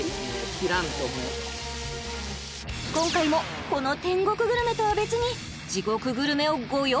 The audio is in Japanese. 切らんと今回もこの天国グルメとは別に地獄グルメをご用意